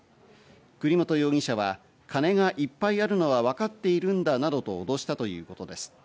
栗本容疑者は金がいっぱいあるのはわかっているんだなどと脅したということです。